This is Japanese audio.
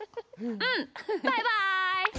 うん、バイバイ。